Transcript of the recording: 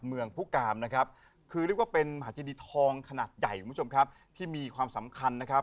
เมืองพุกรามนะครับคือเรียกว่าเป็นมหาเจดีทองขนาดใหญ่ที่มีความสำคัญนะครับ